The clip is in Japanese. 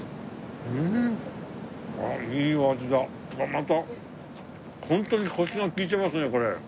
またホントにコシが利いてますねこれ。